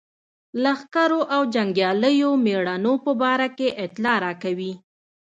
لښکرو او جنګیالیو مېړنو په باره کې اطلاع راکوي.